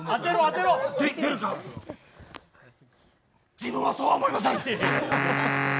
自分はそうは思いません！